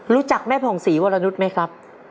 รู้จักแม่ผ่องศรีวรนุษย์ไหมครับ